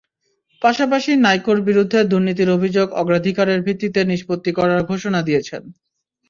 পাশাপাশি নাইকোর বিরুদ্ধে দুর্নীতির অভিযোগ অগ্রাধিকারের ভিত্তিতে নিষ্পত্তি করার ঘোষণা দিয়েছেন।